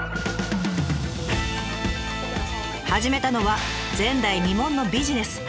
始めたのは前代未聞のビジネス。